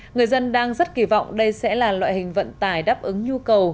người dân đang rất kỳ vọng đây sẽ là loại hình vận tải đáp ứng nhu cầu